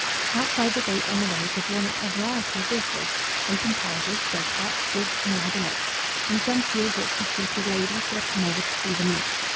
Outside the gate on the road were drawn up a variety of vehicles, open carriages, dog carts, gigs, and waggonettes, in some few of which were seated ladies who had come over to see the meet.